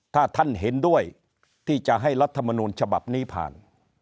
ถ้าท่านเห็นด้วยที่จะให้รัฐมนูลฉบับนี้ผ่าน